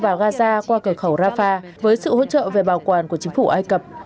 palestine đã đưa vào gaza qua cửa khẩu rafah với sự hỗ trợ về bảo quản của chính phủ ai cập